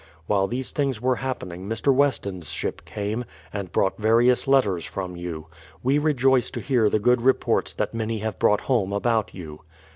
While these things were happening, Mr. Weston's ship came, and brought various letters from you. ... W^e rejoice to hear the good reports that many have brought home about you.